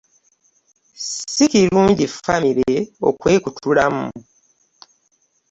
Sikirungi ffamire okwekutulamu.